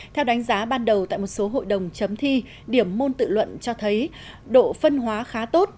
theo đánh giá ban đầu tại một số hội đồng chấm thi điểm môn tự luận cho thấy độ phân hóa khá tốt